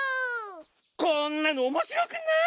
こんなのおもしろくない！